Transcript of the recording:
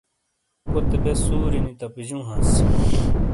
کوتے بے سوری نی تپجوں ہانس